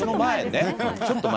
ちょっと前。